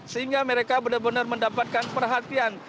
sehingga mereka benar benar mendapatkan perhatian